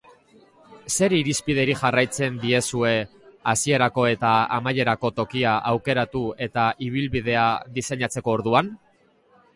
Zer irizpideri jarraitzen diezue hasierako eta amaierako tokia aukeratu eta ibilbidea diseinatzeko orduan?